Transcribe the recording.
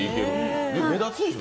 でも、目立つでしょ？